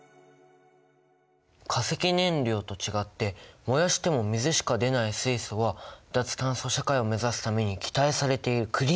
化石燃料と違って燃やしても水しか出ない水素は脱炭素社会を目指すために期待されているクリーンなエネルギーなんだね。